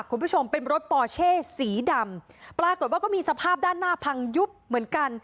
คุณผู้ชมเป็นรถปอเช่สีดำปรากฏว่าก็มีสภาพด้านหน้าพังยุบเหมือนกัน